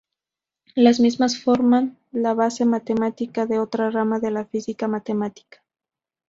Las mismas forman la base matemática de otra rama de la física matemática.